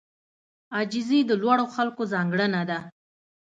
عاجزي د لوړو خلکو ځانګړنه ده.